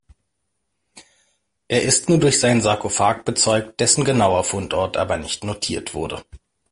Er ist nur durch seinen Sarkophag bezeugt, dessen genauer Fundort aber nicht notiert wurde.